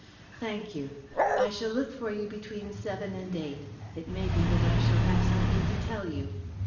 "Thank you. I shall look for you between seven and eight. It may be that I shall have something to tell you."